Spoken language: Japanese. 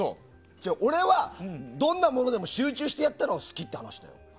俺は、どんなものでも集中してやるのが好きって話だよ。